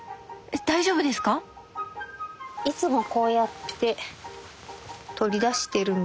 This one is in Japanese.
大丈夫ですか⁉いつもこうやって取り出してるんですよね。